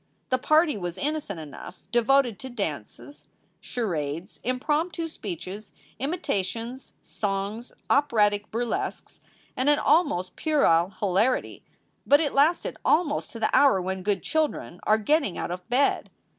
The party was innocent enough, devoted to dances, charades, impromptu speeches, imitations, songs, operatic burlesques, and an almost puerile hilarity, but it lasted almost to the hour when good children are getting out of bed.